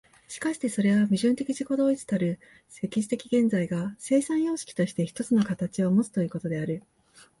しかしてそれは矛盾的自己同一たる歴史的現在が、生産様式として一つの形をもつということである。